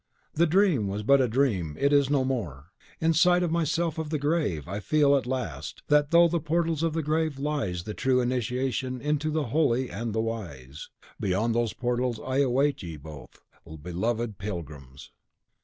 The dream was but a dream it is no more! In sight myself of the grave, I feel, at last, that through the portals of the grave lies the true initiation into the holy and the wise. Beyond those portals I await ye both, beloved pilgrims!"